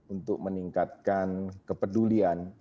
untuk meningkatkan kepedulian